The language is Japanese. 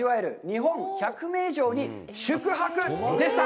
日本１００名城に宿泊」でした。